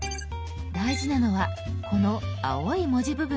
大事なのはこの青い文字部分です。